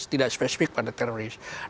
tidak spesifik pada terorisme